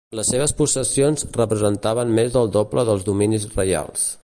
Les seves possessions representaven més del doble dels dominis reials.